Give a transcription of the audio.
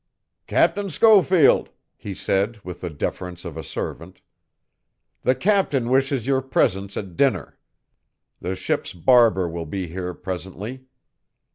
"Captain Schofield," he said, with the deference of a servant, "the captain wishes your presence at dinner. The ship's barber will be here presently.